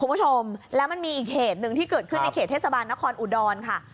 คุณผู้ชมแล้วมันมีอีกเหตุหนึ่งที่เกิดขึ้นในเขตเทศบาลนครอุดรค่ะ